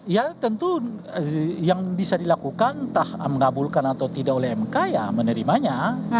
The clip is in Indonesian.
ya tentu yang bisa dilakukan entah mengabulkan atau tidak oleh mk ya menerimanya